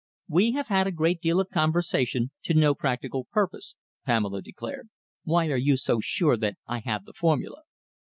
"We have had a great deal of conversation to no practical purpose," Pamela declared. "Why are you so sure that I have the formula?"